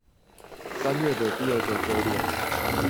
三月的第二個週六